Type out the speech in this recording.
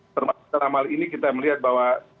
termasuk dalam hal ini kita melihat bahwa